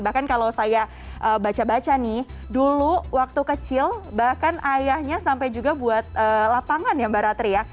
bahkan kalau saya baca baca nih dulu waktu kecil bahkan ayahnya sampai juga buat lapangan ya mbak ratri ya